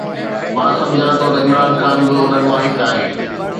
مان سمجهان ٿو ته عمران خان به انهن مان هڪ آهي.